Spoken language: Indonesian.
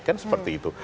kan seperti itu